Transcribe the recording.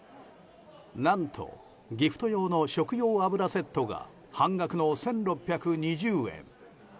何とギフト用の食用油セットが半額の１６２０円。